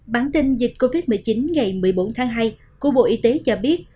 bản tin dịch covid một mươi chín ngày một mươi bốn tháng hai của bộ y tế cho biết